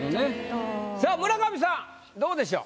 さあ村上さんどうでしょう？